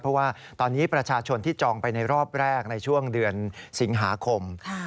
เพราะว่าตอนนี้ประชาชนที่จองไปในรอบแรกในช่วงเดือนสิงหาคม